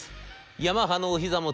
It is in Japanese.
ヤマハのお膝元